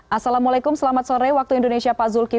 assalamualaikum selamat sore waktu indonesia pak zulkif